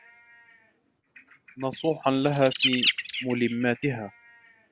نَصُوحًا لَهَا فِي مُلِمَّاتِهَا